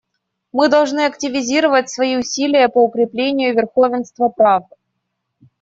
Мы должны активизировать свои усилия по укреплению верховенства права.